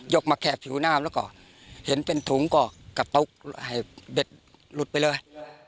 กมาแค่ผิวน้ำแล้วก็เห็นเป็นถุงก็กระตุกให้เบ็ดหลุดไปเลย